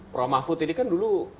prof mahfud ini kan dulu